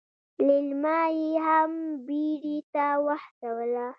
ليلما يې هم بيړې ته وهڅوله.